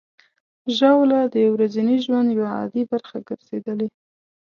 ژاوله د ورځني ژوند یوه عادي برخه ګرځېدلې.